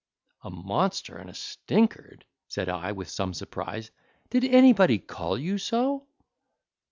"A monster and a stinkard!" said I, with some surprise: "did anybody call you so?"